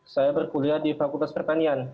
saya berkuliah di fakultas pertanian